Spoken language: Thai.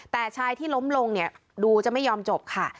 แต่ชายที่ล้มลงเนี่ยดูจะไม่ยอมจบค่ะ